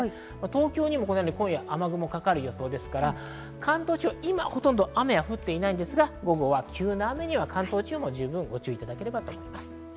東京にも今夜、雨雲がかかる予想ですから、関東地方、今ほとんど雨は降っていないですが、午後は急な雨に関東地方もご注意ください。